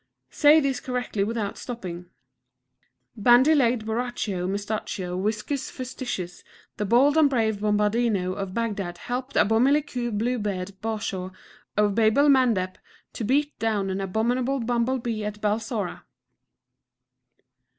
Say this correctly without stopping: "Bandy legged Borachio Mustachio Whiskerifusticus the bold and brave Bombardino of Bagdad helped Abomilique Blue beard Bashaw of Babelmandeb to beat down an abominable Bumble Bee at Balsora."